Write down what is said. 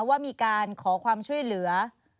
ว่ามีการขอความช่วยเหลือ